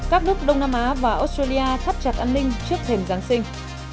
các nước đông nam á và australia thắt chặt an ninh trước thềm giáng sinh